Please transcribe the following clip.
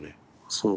そう。